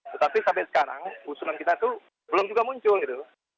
tetapi sampai sekarang usulan kita itu belum juga muncul gitu